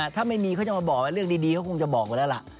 ถ้าไม่มีเขาจะมาบอกว่าเรื่องดีเขาคงจะบอกไว้แล้วล่ะ